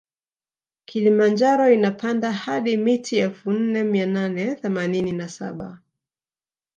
Kilimanjaro inapanda hadi mita elfu nne mia nane themanini na saba